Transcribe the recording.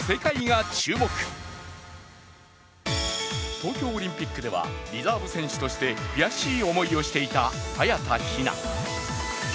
東京オリンピックではリザーブ選手として悔しい思いをしていた早田ひな。